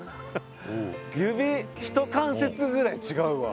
指ひと関節ぐらい違うわ。